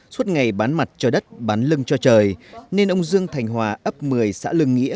suốt ngày bán mặt cho đất bán lưng cho trời nên ông dương thành hòa ấp một mươi xã lưng nghĩa